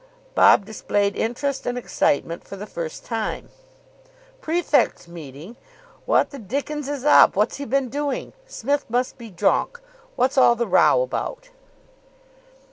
Bob displayed interest and excitement for the first time. "Prefects' meeting! What the dickens is up? What's he been doing? Smith must be drunk. What's all the row about?"